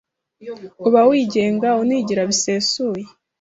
Uba wigenga unigira bisesuye